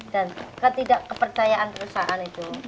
dan ketidak kepercayaan perusahaan itu